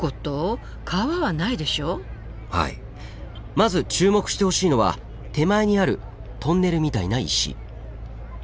まず注目してほしいのは手前にあるトンネルみたいな石。